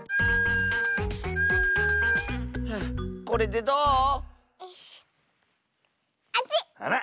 これでどう？